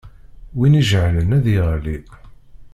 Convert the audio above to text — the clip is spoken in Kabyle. Win ijehlen ad d-iɣli.